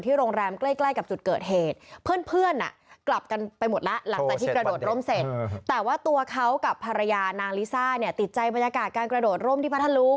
ติดใจบรรยากาศการกระโดดรมที่พัทธารุง